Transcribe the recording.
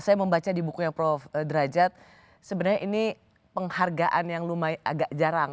saya membaca di bukunya prof derajat sebenarnya ini penghargaan yang lumayan agak jarang